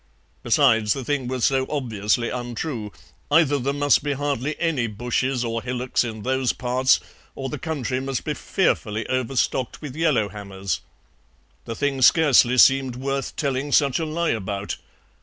Besides, the thing was so obviously untrue; either there must be hardly any bushes or hillocks in those parts or the country must be fearfully overstocked with yellow hammers. The thing scarcely seemed worth telling such a lie about.